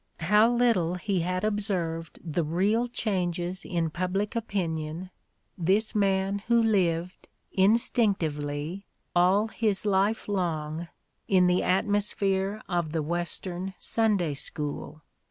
How little he had observed the real changes in public opinion, this man who lived, instinctively, all his life long, in the atmosphere of the Western Sunday School!